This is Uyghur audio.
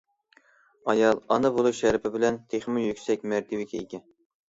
ئايال ئانا بولۇش شەرىپى بىلەن تېخىمۇ يۈكسەك مەرتىۋىگە ئىگە.